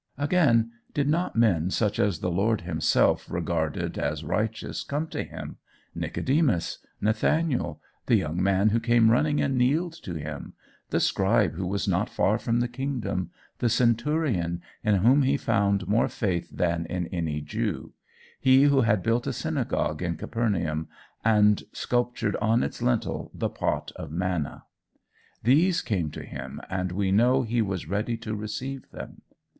Again, did not men such as the Lord himself regarded as righteous come to him Nicodemus, Nathaniel, the young man who came running and kneeled to him, the scribe who was not far from the kingdom, the centurion, in whom he found more faith than in any Jew, he who had built a synagogue in Capernaum, and sculptured on its lintel the pot of manna? These came to him, and we know he was ready to receive them.